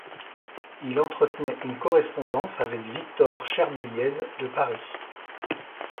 Il entretenait une correspondance avec Victor Cherbuliez de Paris.